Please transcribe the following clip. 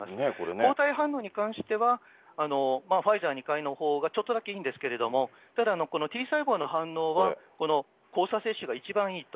抗体反応に関しては、ファイザー２回のほうがちょっとだけいいんですけれども、ただ、このＴ細胞の反応は交差接種が一番いいと。